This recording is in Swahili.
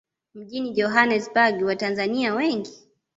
mjini Johannesburg Watanzania wengi